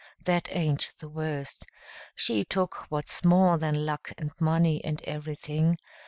That aint the worst. She took what's more than luck and money and everything.